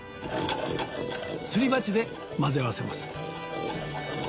すり鉢で混ぜ合わせます